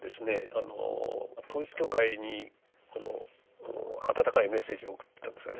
あの統一教会にこの温かいメッセージを送ったんですかね。